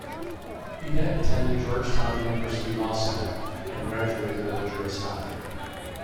He then attended Georgetown University Law Center and graduated with a Juris Doctor.